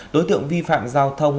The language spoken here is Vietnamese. đối tượng vi phạm giao thông